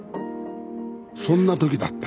そんな時だった。